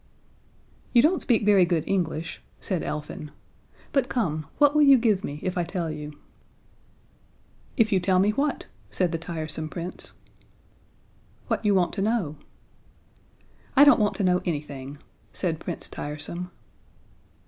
"You don't speak very good English," said Elfin. "But come, what will you give me if I tell you?" "If you tell me what?" said the tiresome Prince. "What you want to know." "I don't want to know anything," said Prince Tiresome.